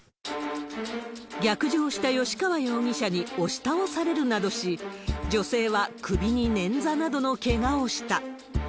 逆上した吉川容疑者に押し倒されるなどし、女性は首に捻挫などのけがをした。